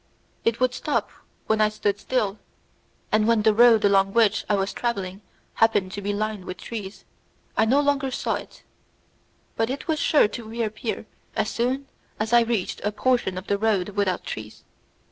It would stop when I stood still, and when the road along which I was travelling happened to be lined with trees, I no longer saw it, but it was sure to reappear as soon as I reached a portion of the road without trees.